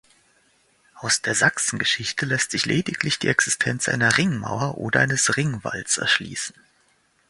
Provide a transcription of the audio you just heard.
Aus der Sachsengeschichte lässt sich lediglich die Existenz einer Ringmauer oder eines Ringwalls erschließen.